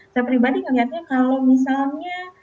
saya pribadi melihatnya kalau misalnya